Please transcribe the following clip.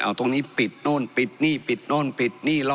เอาตรงนี้ปิดโน่นปิดนี่ปิดโน่นปิดนี่